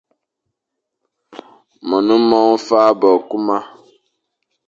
Mone mor faña bo kuma.